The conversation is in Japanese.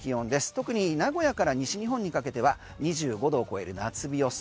特に名古屋から西日本にかけては２５度を超える夏日予想。